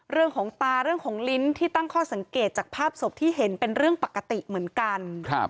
เรื่องของตาเรื่องของลิ้นที่ตั้งข้อสังเกตจากภาพศพที่เห็นเป็นเรื่องปกติเหมือนกัน